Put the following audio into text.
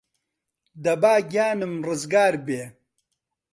دەبا گیانم رزگار بێ